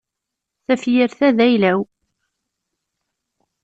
Tafyirt-a d ayla-w.